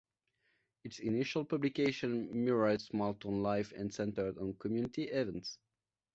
Its initial publications mirrored small town life and centered on community events.